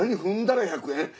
踏んだら１００円？